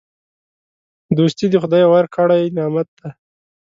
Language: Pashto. دوستي د خدای ورکړی نعمت دی.